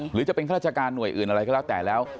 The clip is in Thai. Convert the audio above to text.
หรือจะเป็นข้าราชการหน่วยอื่นอะไรก็แล้วแต่แล้ว